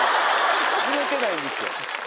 ぬれてないんですよ。